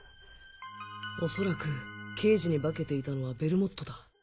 おそらく刑事に化けていたのはベルモットだ。